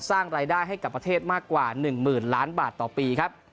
สร้างรายได้ให้กับประเทศมากกว่า๑หมื่นล้านบาทต่อปีครับ